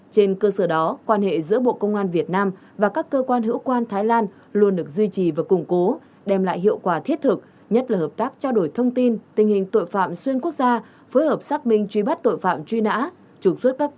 trên cơ sở đó quan hệ giữa bộ công an việt nam và các cơ quan hữu quan thái lan luôn được duy trì và củng cố đem lại hiệu quả thiết thực nhất là hợp tác trao đổi thông tin tình hình tội phạm xuyên quốc gia phối hợp xác minh truy bắt tội phạm truy nã